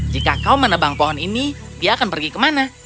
jika kau menebang pohon ini dia akan pergi kemana